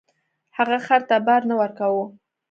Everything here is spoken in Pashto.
هغه خر ته بار نه ورکاوه.